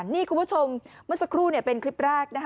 นี่คุณผู้ชมเมื่อสักครู่เป็นคลิปแรก